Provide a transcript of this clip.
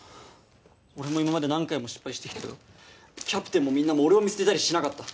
俺も今まで何回も失敗してきたけどキャプテンもみんなも俺を見捨てたりしなかった。